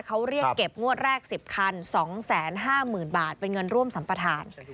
เขาเรียกเก็บงวดแรก๑๐คัน๒๕๐๐๐บาทเป็นเงินร่วมสัมปทาน